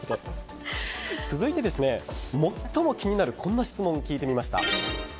続いて、最も気になるこんな質問を聞いてみました。